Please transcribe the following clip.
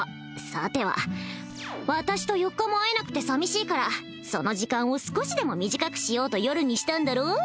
さては私と４日も会えなくて寂しいからその時間を少しでも短くしようと夜にしたんだろ？